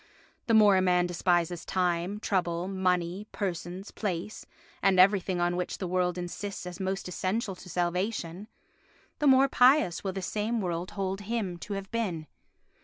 The more a man despises time, trouble, money, persons, place and everything on which the world insists as most essential to salvation, the more pious will this same world hold him to have been.